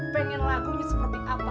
pengen lakuin seperti apa